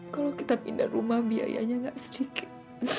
kalau kita pindah rumah biayanya nggak sedikit